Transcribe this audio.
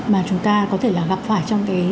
mà chúng ta có thể là gặp phải trong cái